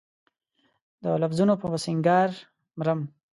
د لفظونو په سنګسار مرم